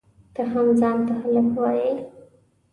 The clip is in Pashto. ته هم ځان ته هلک وایئ؟!